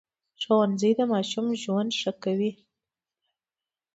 ښوونځی د ماشوم ژوند ښه کوي